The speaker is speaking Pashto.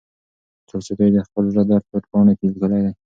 تولستوی د خپل زړه درد په پاڼو کې لیکلی دی.